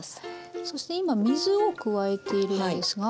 そして今水を加えているんですが。